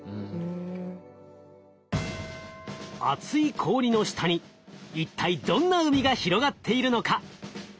厚い氷の下に一体どんな海が広がっているのか？